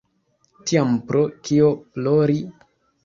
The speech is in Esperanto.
Tiam pro kio plori?